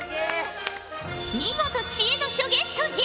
見事知恵の書ゲットじゃ。